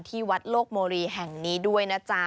ที่วัดโลกโมรีแห่งนี้ด้วยนะจ๊ะ